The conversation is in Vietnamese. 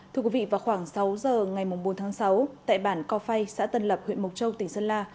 thưa quý vị vào khoảng sáu giờ ngày bốn tháng sáu tại bản co phay xã tân lập huyện mộc châu tỉnh sơn la